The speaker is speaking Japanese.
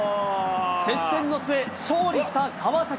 接戦の末、勝利した川崎。